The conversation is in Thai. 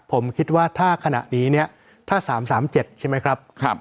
ผมคิดว่าถ้าขณะนี้เนี้ยถ้าสามสามเจ็ดใช่ไหมครับครับ